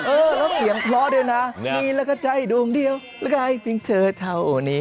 เออแล้วเสียงคล้อดวยนะนี่ละใจดวงเดียวละไงเป็นเธอเท่านี้